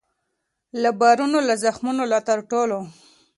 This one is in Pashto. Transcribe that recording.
له بارونو له زخمونو له ترټلو